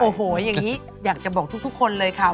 โอ้โหอย่างนี้อยากจะบอกทุกคนเลยค่ะ